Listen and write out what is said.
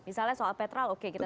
misalnya soal petrol oke kita